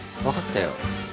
分かったよ。